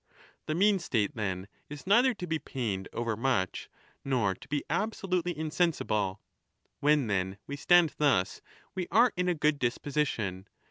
The mean state, then, is neither to be pained overmuch 20 nor to be absolutely insensible. When, then, we stand thus, we are in a good disposition.